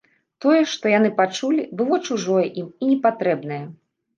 Тое, што яны пачулі, было чужое ім і непатрэбнае.